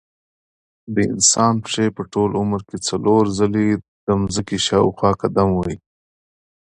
د انسان پښې په ټول عمر کې څلور ځلې د ځمکې شاوخوا قدم وهي.